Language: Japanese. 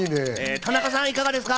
田中さん、いかがですか？